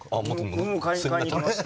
もう買いに行きました。